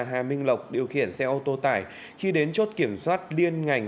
hà minh lộc điều khiển xe ô tô tải khi đến chốt kiểm soát liên ngành